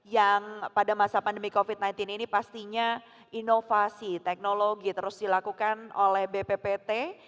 yang pada masa pandemi covid sembilan belas ini pastinya inovasi teknologi terus dilakukan oleh bppt